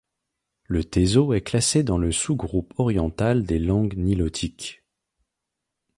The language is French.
Le teso est classé dans le sous-groupe oriental des langues nilotiques.